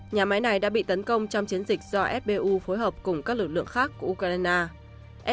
nhà máy này đã bị tấn công trong chiến dịch do fbu phối hợp cùng các lực lượng khác của ukraine